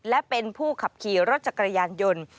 และเป็นผู้ขับขี่รถจักรยานยนต์